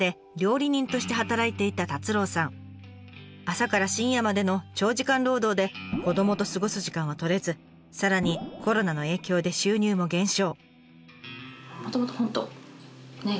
朝から深夜までの長時間労働で子どもと過ごす時間は取れずさらにコロナの影響で収入も減少。